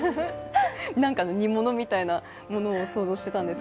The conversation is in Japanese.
何かの煮物みたいなものを想像してたんです。